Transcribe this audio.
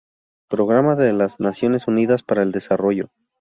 Programa de las Naciones Unidas para el Desarrollo.